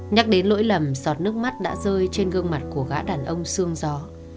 nhắc đến lỗi lầm giọt nước mắt đã rơi trên gương mặt của gã đàn ông sương gió